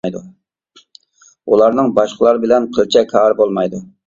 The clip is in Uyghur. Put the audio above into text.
ئۇلارنىڭ باشقىلار بىلەن قىلچە كارى بولمايدۇ.